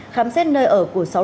khám xét nơi ở của sáu đối tượng